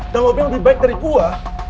dan lo bilang lebih baik dari gue